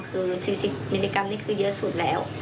คือ๔๐มิลลิกรัมนี่คือเยอะสุดแล้ว